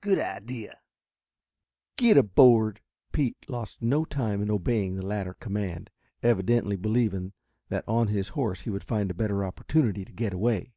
"Good idea. Get aboard." Pete lost no time in obeying the latter command, evidently believing that on his horse he would find a better opportunity to get away.